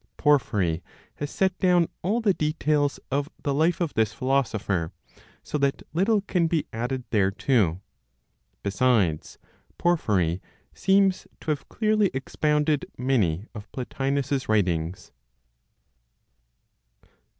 Porphyry has set down all the details of the life of this philosopher, so that little can be added thereto; besides Porphyry seems to have clearly expounded many of Plotinos's writings.